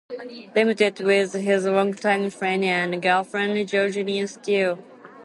Limited, with his longtime friend and girlfriend, Georgiana Steele.